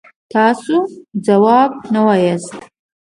تاسو ځواب نه وایاست.